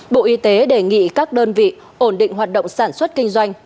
bộ y tế đề nghị các đơn vị ổn định hoạt động sản xuất kinh doanh